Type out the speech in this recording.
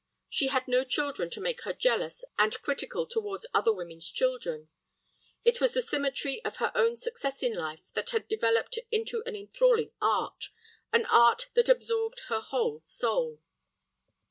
She had no children to make her jealous and critical towards other women's children. It was the symmetry of her own success in life that had developed into an enthralling art, an art that absorbed her whole soul.